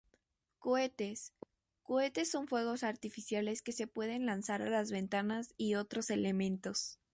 Cohetes:Cohetes son fuegos artificiales que se pueden lanzar a las ventanas y otros elementos.